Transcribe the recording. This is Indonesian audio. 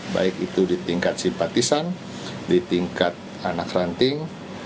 baik itu di tingkat simpatisan di tingkat anak ranting